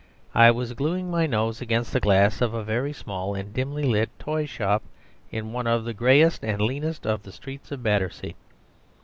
I was gluing my nose against the glass of a very small and dimly lit toy shop in one of the greyest and leanest of the streets of Battersea.